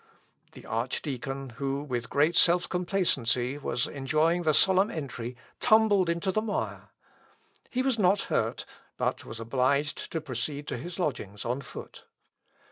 The archdeacon, who, with great self complacency, was enjoying the solemn entry, tumbled into the mire. He was not hurt, but was obliged to proceed to his lodgings on foot.